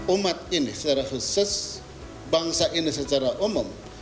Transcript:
umat ini secara khusus bangsa ini secara umum